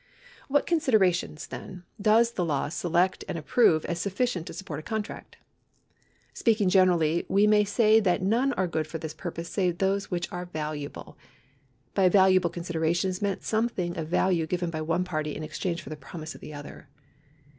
What considerations, then, does the law select and approve as sufficient to support a contract ? Speaking generally, we may say that none are good for this purpose save those which are valuable. By a valuable consideration is meant some thing of value given by one party in exchange for the promise of the other.